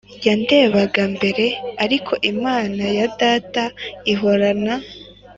yandebaga mbere ariko Imana ya data ihorana